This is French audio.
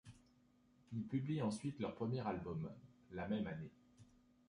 Ils publient ensuite leur premier album, ' la même année.